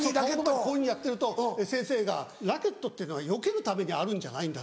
こうやってると先生が「ラケットっていうのはよけるためにあるんじゃないんだ。